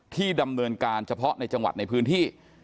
ที่ดำเนินการเฉพาะในจังหวัดในพื้นที่